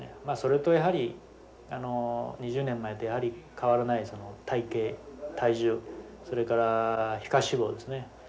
まあそれとやはり２０年前とやはり変わらない体形体重それから皮下脂肪ですね